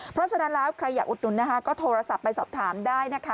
เพราะฉะนั้นแล้วใครอยากอุดหนุนนะคะก็โทรศัพท์ไปสอบถามได้นะคะ